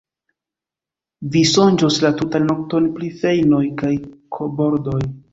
Vi sonĝos la tutan nokton pri feinoj kaj koboldoj.